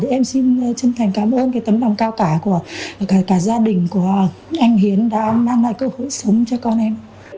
em xin chân thành cảm ơn tấm lòng cao cả của cả gia đình của anh hiến đã mang lại cơ hội sống cho con em